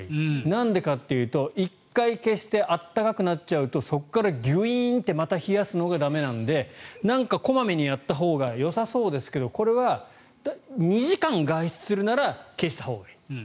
なんでかというと１回消して暖かくなっちゃうとそこからギュイーンってまた冷やすのが駄目なのでなんか小まめにやったほうがよさそうですけどこれは２時間外出するなら消したほうがいい。